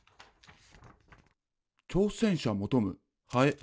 「挑戦者求むハエ」。